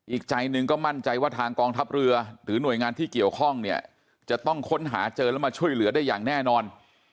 อีกใจหนึ่งก็มั่นใจว่าทางกองทัพเรือหรือหน่วยงานที่เกี่ยวข้องเนี่ยจะต้องค้นหาเจอแล้วมาช่วยเหลือได้อย่างแน่นอน